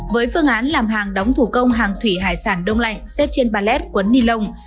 với phương án làm hàng đóng thủ công hàng thủy hải sản đông lạnh xếp trên ba led quấn ni lông